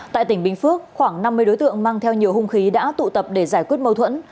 tại tỉnh bình phước khoảng năm mươi đối tượng mang theo nhiều hung khí đã tụ tập để giải quyết mâu thuẫn